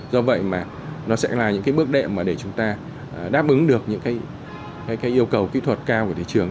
do vậy mà nó sẽ là những bước đệm để chúng ta đáp ứng được những yêu cầu kỹ thuật cao của thị trường